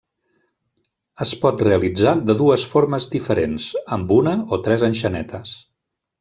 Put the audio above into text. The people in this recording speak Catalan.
Es pot realitzar de dues formes diferents: amb una o tres enxanetes.